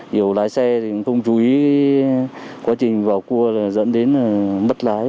nhiều lái xe thì cũng không chú ý quá trình vào cua là dẫn đến mất lái